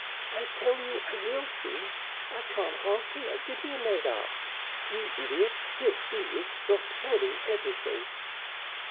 "I tell you I will see! I can't half hear. Give me a leg up!" "You Idiot! He'll see you. You're spoiling everything."